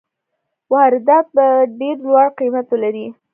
واردات به ډېر لوړ قیمت ولري.